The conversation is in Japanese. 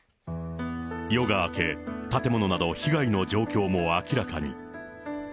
夜が明け、建物など被害の状況も明らかに。